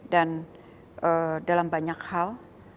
dan dalam banyak hal